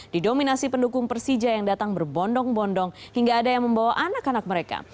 didominasi pendukung persija yang datang berbondong bondong hingga ada yang membawa anak anak mereka